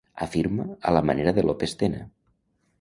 Afirma a la manera de López Tena.